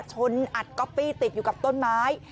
อัดก๊อปปี้ติดอยู่กับต้นไม้